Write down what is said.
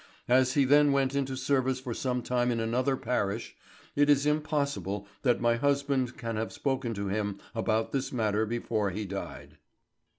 As he then went into service for some time in another parish, it is impossible that my husband can have spoken to him about this matter before he died."